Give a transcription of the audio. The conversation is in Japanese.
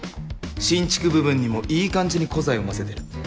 新築部分にもいい感じに古材を混ぜてる。